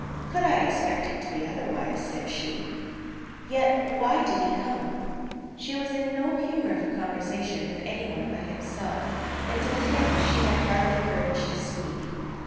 "Could I expect it to be otherwise?" said she. "Yet why did he come?" She was in no humour for conversation with anyone but himself; and to him she had hardly courage to speak.